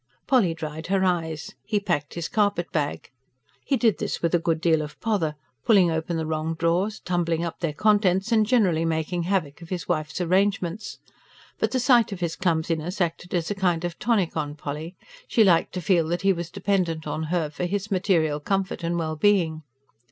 Polly dried her eyes; he packed his carpet bag. He did this with a good deal of pother, pulling open the wrong drawers, tumbling up their contents and generally making havoc of his wife's arrangements. But the sight of his clumsiness acted as a kind of tonic on Polly: she liked to feel that he was dependent on her for his material comfort and well being.